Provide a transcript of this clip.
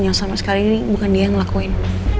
yang sama sekali ini bukan dia yang ngelakuin